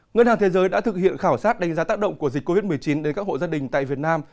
ngân hàng thế giới đã thực hiện khảo sát đánh giá tác động của dịch covid một mươi chín đến các hộ gia đình tại việt nam